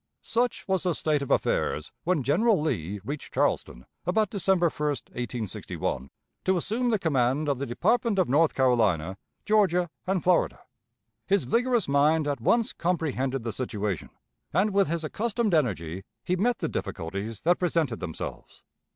"Such was the state of affairs when General Lee reached Charleston, about December 1, 1861, to assume the command of the Department of North Carolina, Georgia, and Florida. His vigorous mind at once comprehended the situation, and, with his accustomed energy, he met the difficulties that presented themselves.